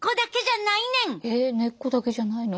えっ根っこだけじゃないの？